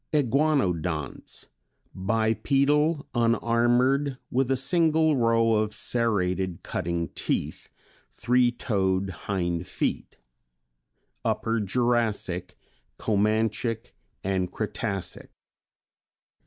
Iguanodonts. Bipedal, unarmored, with a single row of serrated cutting teeth, three toed hind feet. Upper Jurassic, Comanchic and Cretacic.